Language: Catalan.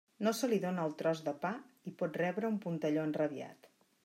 No se li dóna el tros de pa i pot rebre un puntelló enrabiat.